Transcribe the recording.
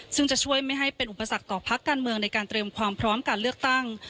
ซึ่งจะช่วยไม่ให้เป็นอุปสรรคต่อพักการเมืองในการเตรียมความพร้อมการเลือกตั้ง